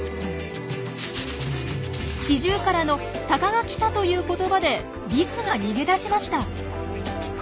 シジュウカラの「タカが来た！」という言葉でリスが逃げ出しました。